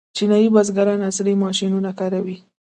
چینايي بزګران عصري ماشینونه کاروي.